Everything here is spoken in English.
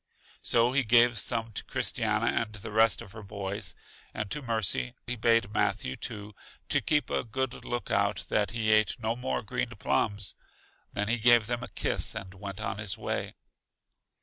So he gave some to Christiana and the rest of her boys, and to Mercy; he bade Matthew, too, keep a good look out that he ate no more green plums; then he gave them a kiss, and went his way.